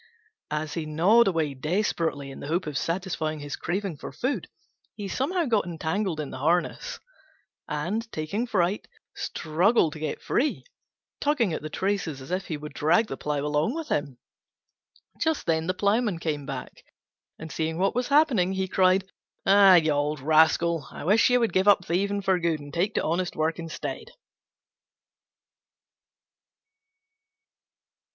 As he gnawed away desperately in the hope of satisfying his craving for food, he somehow got entangled in the harness, and, taking fright, struggled to get free, tugging at the traces as if he would drag the plough along with him. Just then the Ploughman came back, and seeing what was happening, he cried, "Ah, you old rascal, I wish you would give up thieving for good and take to honest work instead."